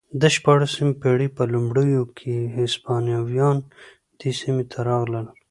د شپاړسمې پېړۍ په لومړیو کې هسپانویان دې سیمې ته ورغلل